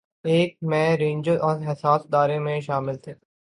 ایک میں رینجرز اور حساس ادارے شامل تھے